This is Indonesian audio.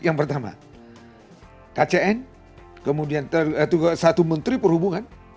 yang pertama kcn kemudian satu menteri perhubungan